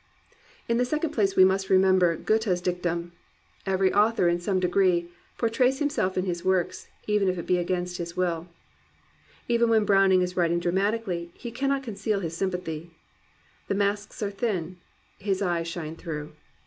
In the sec ond place we must remember Goethe's dictum: " Every author in some degree, pyourtrays himself in his works, even be it against his will." Even when Browning is writing dramatically, he cannot con ceal his sympathy. The masks are thin. His eyes shine through.